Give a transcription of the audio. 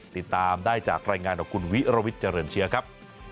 ติดตามได้จากรายงานของคุณวิรวิทย์เจริญเชื้อครับ